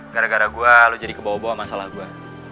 gara gara gue lo jadi kebawa bawa masalah gue